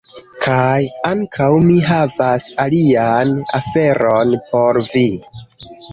Kaj... ankaŭ mi havas alian aferon por vi